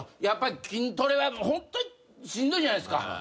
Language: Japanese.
やっぱり筋トレはホントにしんどいじゃないですか。